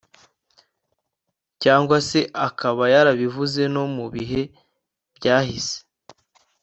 cyangwa se akaba yarabivuze no mu bihe byahise,